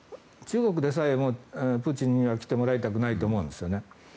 中国でさえプーチンには来てもらいたくないと思うんですよね。